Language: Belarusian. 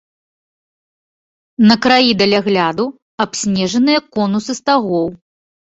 На краі далягляду абснежаныя конусы стагоў.